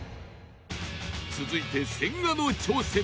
続いて、千賀の挑戦！